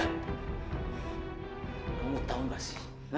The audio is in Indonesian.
kamu tahu gak sih